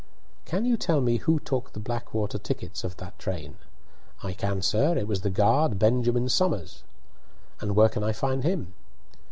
"Can you tell me who took the Blackwater tickets of that train?" "I can, sir. It was the guard, Benjamin Somers." "And where can I find him?"